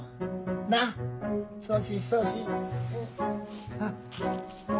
なっそうしそうし。